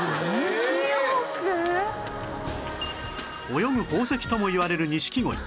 泳ぐ宝石ともいわれる錦鯉